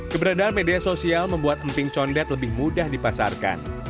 keberadaan media sosial membuat emping condet lebih mudah dipasarkan